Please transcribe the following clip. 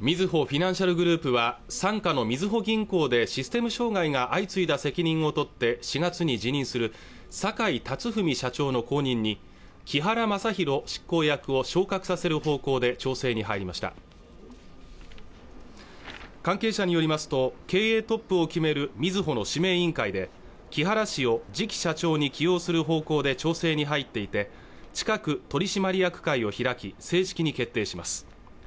みずほフィナンシャルグループは傘下のみずほ銀行でシステム障害が相次いだ責任を取って４月に辞任する坂井辰史社長の後任に木原正裕執行役を昇格させる方向で調整に入りました関係者によりますと経営トップを決めるみずほの指名委員会で木原氏を次期社長に起用する方向で調整に入っていて近く取締役会を開き正式に決定します